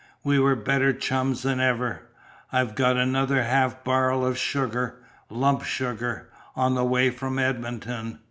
We were better chums than ever. I've got another half barrel of sugar lump sugar on the way from Edmonton.